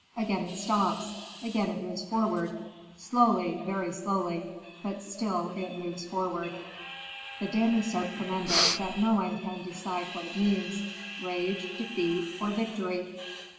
Again it stops, again it moves forward slowly, very slowly, but still it moves forward. The din is so tremendous that no one can decide what it means: rage, defeat, or victory.